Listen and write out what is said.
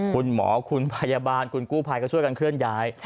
คุณหมอคุณพยาบาลคุณกู้ภัยก็ช่วยกันเคลื่อนย้าย